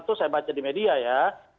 itu saya baca di media ya